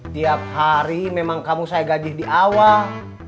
tiap hari memang kamu saya gaji di awal